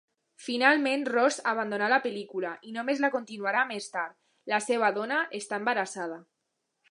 Finalment Ross abandona la pel·lícula i només la continuarà més tard: la seva dóna està embarassada.